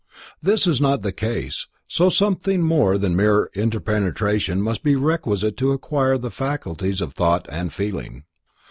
This is not the case, so something more than mere interpenetration must be requisite to acquire the faculties of thought and feeling.